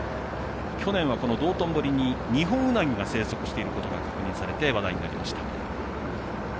去年は道頓堀にニホンウナギが生息していることが確認されて、話題になりました。